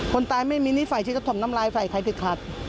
คนตายไม่มีนิสัยที่จะถมน้ำลายใส่ใครติดขัด